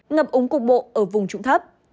ngập úng cục bộ ở vùng trụng thấp